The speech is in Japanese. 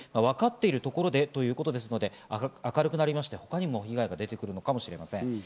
分かっているところでということですので、明るくなりまして他にも被害が出てくるのかもしれません。